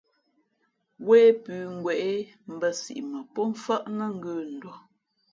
Wē pʉ̌ ngwěʼ mbᾱ siʼ mα mfάʼ nά ngə̂nduα.